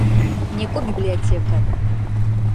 Некӏо библиотекэм!